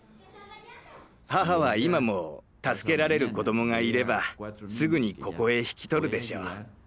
母は今も助けられる子どもがいればすぐにここへ引き取るでしょう。